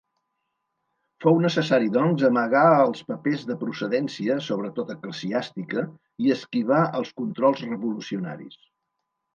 Fou necessari doncs, amagar els papers de procedència sobretot eclesiàstica, i esquivar els controls revolucionaris.